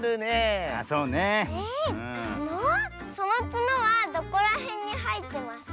そのつのはどこらへんにはえてますか？